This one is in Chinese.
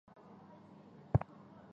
后担任郑州市纺织工业局局长。